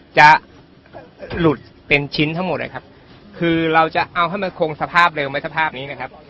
จะหลุดเป็นชิ้นทั้งหมดนะครับคือเราจะเอาให้มันคงสภาพเร็วไหมสภาพนี้นะครับ